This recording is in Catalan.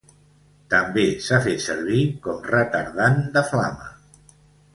També s’ha fet servir com retardant de flama.